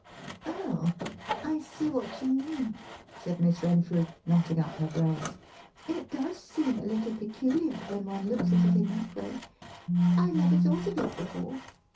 "Oh, I see what you mean," said Miss Renfrew, knotting up her brows. "It does seem a little peculiar when one looks at it in that way. I never thought of it before.